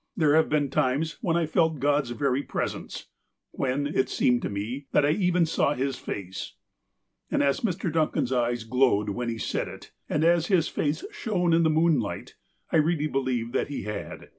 There have been times when I felt God's very presence — when, it seemed to me, that I even saw His face." And as Mr. Duncan's eyes glowed when he said it, and as his face shone in the moonlight, I really believed that he had.